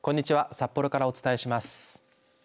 札幌からお伝えします。